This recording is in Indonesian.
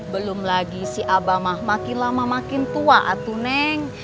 belum lagi si abah mah makin lama makin tua atu neng